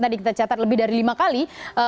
tadi kita catat lebih dari lima kali